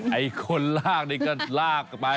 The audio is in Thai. ไอ้คนลากนี่ก็ลากไป